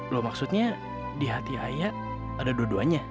loh maksudnya di hati ayah ada dua duanya